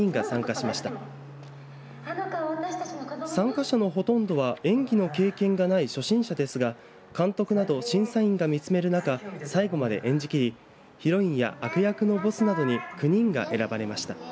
参加者のほとんどは演技の経験がない初心者ですが監督など審査員が見つめる中最後まで演じきりヒロインや悪役のボスなどに９人が選ばれました。